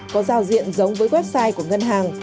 có giao diện giống với website của ngân hàng